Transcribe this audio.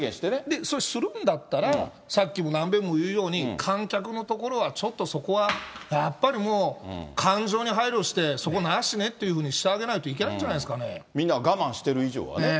するんだったら、さっきも何べんも言うように、観客のところはちょっとそこはやっぱりもう、感情に配慮してそこなしねっていうふうにしてあげないといけないみんな我慢している以上はね。